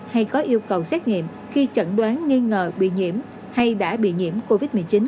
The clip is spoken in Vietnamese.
hay có yêu cầu xét nghiệm khi chẩn đoán nghi ngờ bị nhiễm hay đã bị nhiễm covid một mươi chín